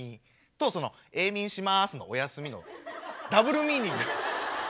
とその「永眠します」の「おやすみ」のダブルミーニング。